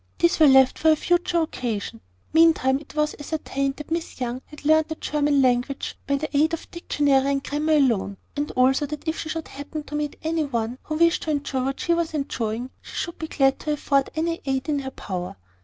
These were left for a future occasion. Meantime it was ascertained that Miss Young had learned the German language by the aid of dictionary and grammar alone, and also that if she should happen to meet with any one who wished to enjoy what she was enjoying, she should be glad to afford any aid in her power.